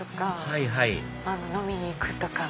はいはい飲みに行くとか。